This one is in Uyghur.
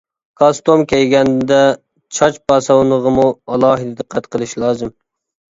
كاستۇم كىيگەندە چاچ پاسونىغىمۇ ئالاھىدە دىققەت قىلىش لازىم.